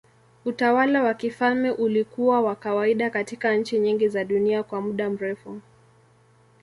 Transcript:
Utawala wa kifalme ulikuwa wa kawaida katika nchi nyingi za dunia kwa muda mrefu.